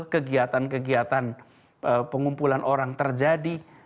kegiatan kegiatan pengumpulan orang terjadi